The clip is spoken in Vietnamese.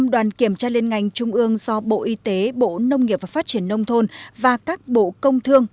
một mươi đoàn kiểm tra liên ngành trung ương do bộ y tế bộ nông nghiệp và phát triển nông thôn và các bộ công thương